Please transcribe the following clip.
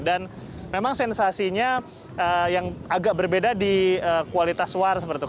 dan memang sensasinya yang agak berbeda di kualitas suara seperti itu